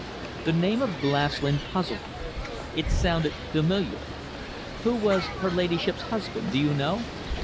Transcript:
The name of Glaslyn puzzled me. It sounded familiar. "Who was her ladyship's husband? Do you know?"